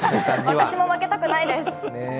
私も負けたくないです！